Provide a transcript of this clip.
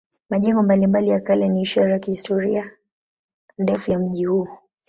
Majengo mbalimbali ya kale ni ishara ya historia ndefu ya mji huu.